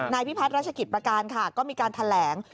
นายพิพัทรรัชคิตประการค่ะก็มีการแถลง